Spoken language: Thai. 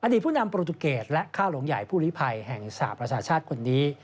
ผู้นำโปรตุเกตและค่าหลวงใหญ่ผู้ลิภัยแห่งสหประชาชาติคนนี้